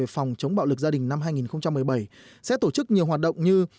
phòng chống bạo lực gia đình năm hai nghìn một mươi bảy sẽ tổ chức nhiều hoạt động như